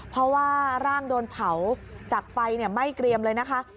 เพราะว่าร่างโดนเผาจากไฟไหม้เกรียมเลยนะคะ